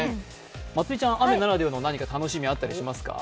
まつりちゃん、雨ならではの何か楽しみあったりしますか？